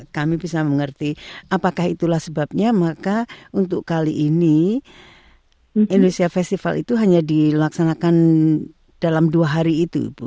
kami bisa mengerti apakah itulah sebabnya maka untuk kali ini indonesia festival itu hanya dilaksanakan dalam dua hari itu